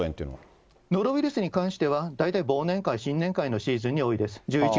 ノロウイルスに関しては、大体忘年会、新年会のシーズンに多いです。